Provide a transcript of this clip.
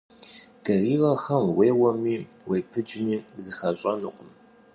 Гориллэхэм уеуэми, уепыджми, зэхащӀэнукъым.